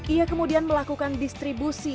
ia kemudian melakukan distribusi